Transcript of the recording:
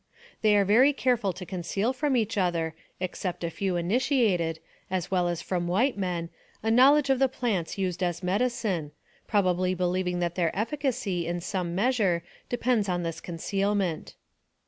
They are very careful to conceal from each other, except a few initiated, as well as from white men, a knowledge of the plants used as medicine, probably believing that their efficacy, in some measure, depends on this concealment.